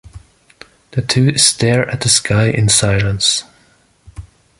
The two stare at the sky in silence.